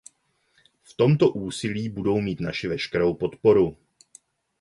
V tomto úsilí budou mít naši veškerou podporu.